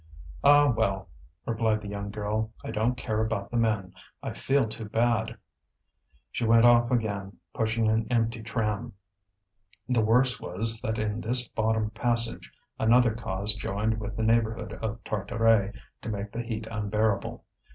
"Ah, well!" replied the young girl. "I don't care about the men! I feel too bad." She went off again, pushing an empty tram. The worst was that in this bottom passage another cause joined with the neighbourhood of Tartaret to make the heat unbearable.